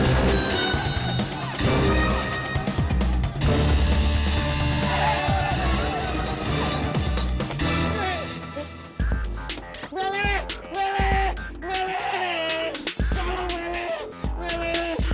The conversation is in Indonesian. nanti ketahuan mama kamu kesini